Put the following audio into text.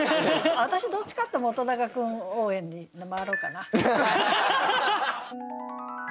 私どっちかというと本君応援に回ろうかな。